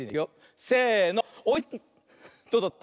どうだった？